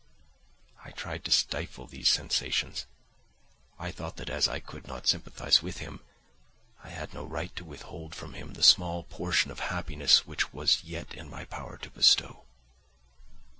I tried to stifle these sensations; I thought that as I could not sympathise with him, I had no right to withhold from him the small portion of happiness which was yet in my power to bestow.